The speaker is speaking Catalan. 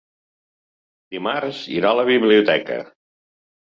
Dimarts irà a la biblioteca.